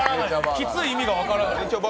キツい意味が分からない。